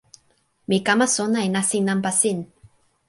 mi kama sona e nasin nanpa sin.